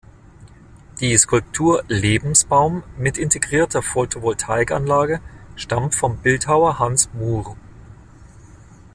Die Skulptur "Lebensbaum" mit integrierter Photovoltaikanlage stammt vom Bildhauer Hans Muhr.